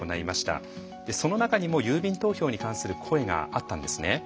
その中にも郵便投票に関する声があったんですね。